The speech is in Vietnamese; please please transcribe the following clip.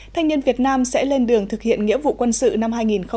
thanh niên việt nam sẽ lên đường thực hiện nghĩa vụ quân sự năm hai nghìn hai mươi